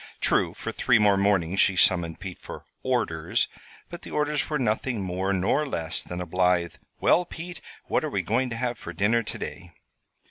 True, for three more mornings she summoned Pete for "orders," but the orders were nothing more nor less than a blithe "Well, Pete, what are we going to have for dinner to day?"